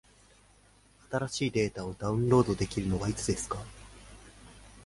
新しいデータをダウンロードできるのはいつですか？